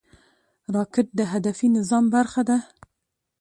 راکټ د هدفي نظام برخه ده